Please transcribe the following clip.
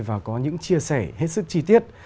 và có những chia sẻ hết sức chi tiết